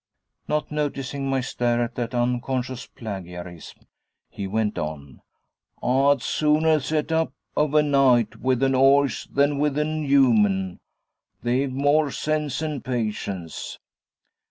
Not noticing my stare at that unconscious plagiarism, he went on,' Ah'd zooner zet up of a naight with an 'orse than with an 'uman they've more zense, and patience.'